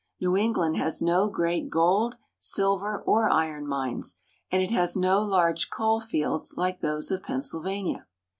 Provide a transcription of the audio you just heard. New England has no great gold, silver, or iron mines, and it has no large coal fields like those of Pennsylvania.